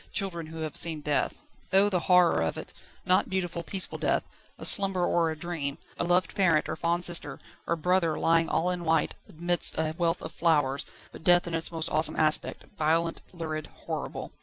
Children who have seen death! Oh, the horror of it! Not beautiful, peaceful death, a slumber or a dream, a loved parent or fond sister or brother lying all in white amidst a wealth of flowers, but death in its most awesome aspect, violent, lurid, horrible.